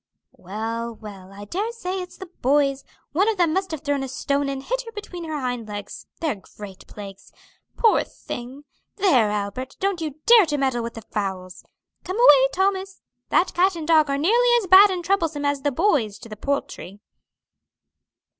"Well, well, I dare say it's the boys; one of them must have thrown a stone and hit her between her hind legs; they're great plagues. Poor thing! There, Albert, don't you dare to meddle with the fowls! Come away, Thomas. That cat and dog are nearly as bad and troublesome to the boys as the poultry."